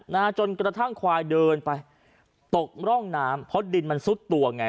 นะจนกระทั่งควายเดินไปตกร่องน้ำเพราะดินมันซุดตัวไง